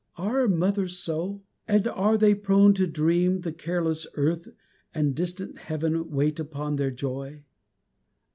Are mothers so? And are they prone to dream the careless earth And distant heaven wait upon their joy?